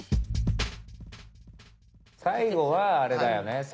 最後はあれだよね。